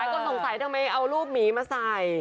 คนสงสัยทำไมเอารูปหมีมาใส่